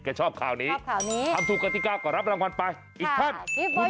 กันชอบข้าวนี้ทำถูกกันที่๙ก็รับรางวัลไปอีกท่านอืมค่ะ